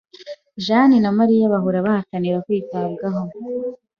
Jane na Mariya bahora bahatanira kwitabwaho.